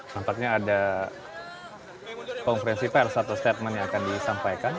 tampaknya ada konferensi pers atau statement yang akan disampaikan